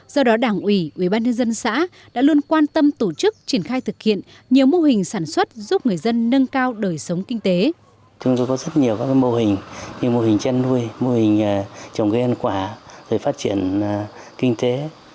do đó đảng ủy ubnd xã đã luôn quan tâm tổ chức triển khai thực hiện nhiều mô hình sản xuất giúp người dân nâng cao đời sống kinh tế